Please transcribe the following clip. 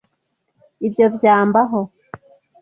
Ibyo byambaho.